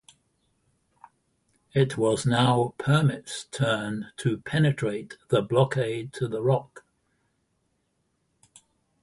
It was now "Permit"s turn to penetrate the blockade to the "Rock.